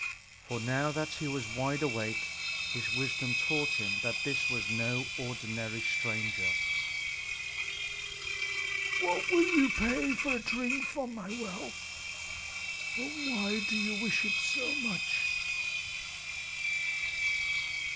For now that he was wide awake, his wisdom taught him that this was no ordinary stranger. "What will you pay for a drink from my well, and why do you wish it so much?"